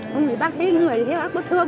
không người ta thấy người thì thấy bác bất thương